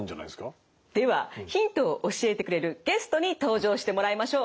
ではヒントを教えてくれるゲストに登場してもらいましょう。